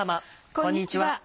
こんにちは。